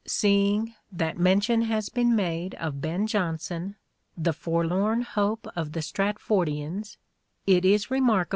Seeing that mention has been made of Ben Jonson, NO memento the forlorn hope of the Stratfordians, it is remarkable